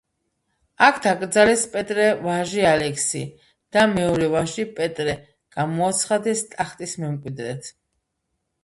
აქ დაკრძალეს პეტრე ვაჟი ალექსი და მეორე ვაჟი პეტრე გამოაცხადეს ტახტის მემკვიდრედ.